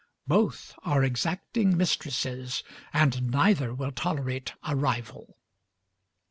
Both are exacting mistresses, and neither will tolerate a rival.